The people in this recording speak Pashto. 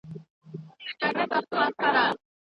زه د دېغت په دوړو کي ژوند کوم .